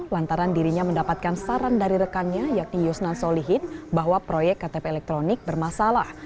lantaran dirinya mendapatkan saran dari rekannya yakni yusnan solihin bahwa proyek ktp elektronik bermasalah